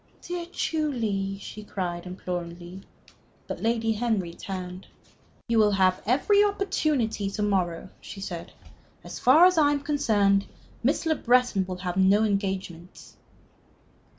"Dear Julie!" she cried, imploringly. But Lady Henry turned. "You will have every opportunity to morrow," she said. "As far as I am concerned, Miss Le Breton will have no engagements."